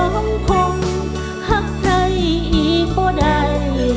คงหักใครอีกก็ได้